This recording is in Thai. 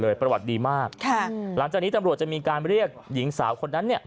ประวัติดีมากค่ะหลังจากนี้ตำรวจจะมีการเรียกหญิงสาวคนนั้นเนี่ย